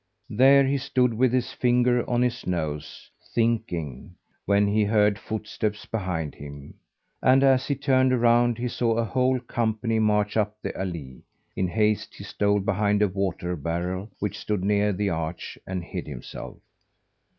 There he stood, with his finger on his nose, thinking, when he heard footsteps behind him; and as he turned around he saw a whole company march up the allée. In haste he stole behind a water barrel which stood near the arch, and hid himself.